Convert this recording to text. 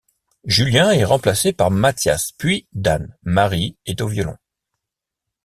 Julien est remplacé par Mathias puis Dan, Marie est au violon.